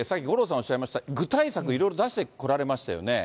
おっしゃいました、具体策、いろいろ出してこられましたよね。